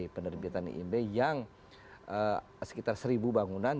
penerbitan ib yang sekitar seribu bangunan